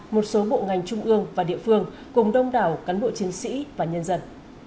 một số bộ ngành trung ương và địa phương cùng đông đảo cán bộ chiến sĩ và nhân dân